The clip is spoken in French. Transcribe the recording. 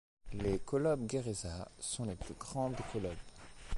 Les colobes guéréza sont les plus grands des colobes.